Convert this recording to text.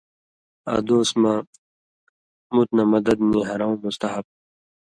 ادُوس مہ مُت نہ مدد نِی ہَرٶں مستحب تھُو۔